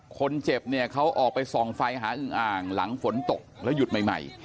คนเจ็บเนี่ยเขาออกไปส่องไฟหาอึงอ่างหลังฝนตกแล้วหยุดใหม่